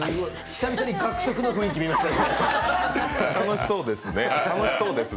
久々に学食の雰囲気みました。